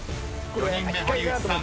［４人目堀内さん